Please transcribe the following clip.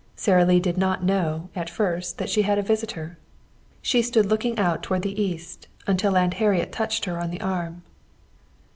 Sara Lee did not know, at first, that she had a visitor. She stood looking out toward the east, until Aunt Harriet touched her on the arm.